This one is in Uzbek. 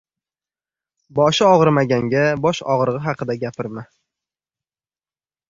• Boshi og‘rimaganga bosh og‘rig‘i haqida gapirma.